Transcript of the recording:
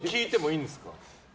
コツを聞いてもいいんですか。